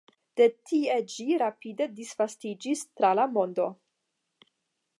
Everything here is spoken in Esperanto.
De tie ĝi rapide disvastiĝis tra la mondo.